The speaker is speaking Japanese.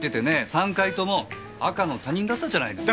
３回とも赤の他人だったじゃないですか。